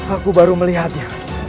aku baru melihatnya